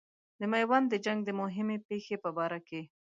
د میوند د جنګ د مهمې پیښې په باره کې.